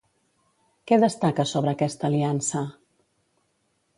Què destaca sobre aquesta aliança?